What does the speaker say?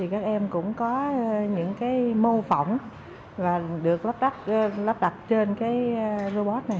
các em cũng có những mô phỏng được lắp đặt trên robot này